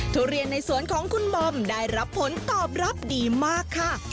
ทุเรียนในสวนของคุณบอมได้รับผลตอบรับดีมากค่ะ